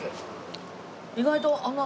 意外とあんま。